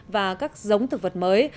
và các giống thực vật mới